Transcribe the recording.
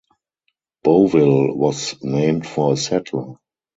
Bovill was named for a settler.